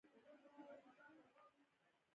هغو کسانو ته یې درد نه رسېږي.